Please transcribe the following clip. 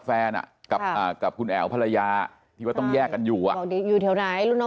แฟนกับกับคุณแอ๋วภาระยาต้องแยกกันอยู่อยู่เที่ยวไหนน้อง